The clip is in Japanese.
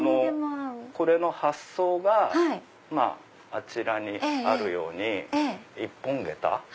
これの発想があちらにあるように一本下駄。